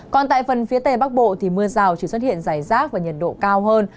còn tại phần phía tây bắc bộ mưa rào chỉ xuất hiện dày rác và nhiệt độ cao hơn